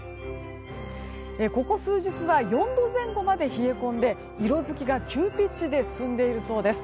ここ数日は４度前後まで冷え込んで色付きが急ピッチで進んでいるそうです。